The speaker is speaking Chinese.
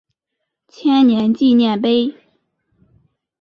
千年纪念碑。